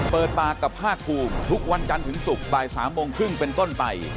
เปิดปากกับภาคภูมิทุกวันจันทร์ถึงศุกร์บ่าย๓โมงครึ่งเป็นต้นไป